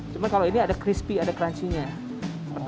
cuma kalau ini ada crispy ada crunchiness